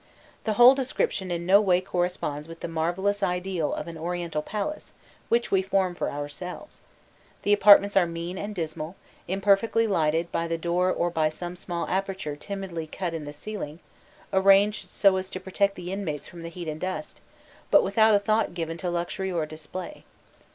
The whole description in no way corresponds with the marvellous ideal of an Oriental palace which we form for ourselves: the apartments are mean and dismal, imperfectly lighted by the door or by some small aperture timidly cut in the ceiling, arranged so as to protect the inmates from the heat and dust, but without a thought given to luxury or display.